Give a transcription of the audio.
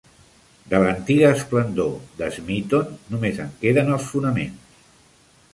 De l'antiga esplendor de Smeaton només en queden els fonaments.